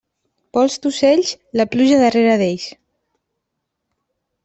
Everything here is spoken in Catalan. Vols d'ocells, la pluja darrera d'ells.